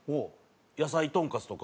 野菜とんかつとか。